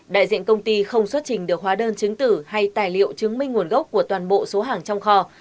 đại diện công ty không xuất trình được hóa đơn chứng tử hay tài liệu chứng minh nguồn gốc của toàn bộ số hàng trong kho